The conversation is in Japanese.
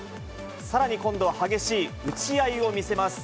さらに今度は激しい打ち合いを見せます。